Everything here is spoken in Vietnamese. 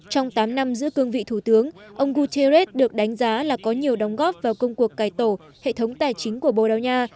trong tám năm giữ cương vị thủ tướng ông guterres được đánh giá là có nhiều đóng góp vào công cuộc cải tổ hệ thống tài chính của bồ đào nha